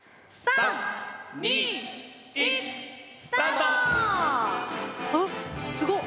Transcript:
あっすご！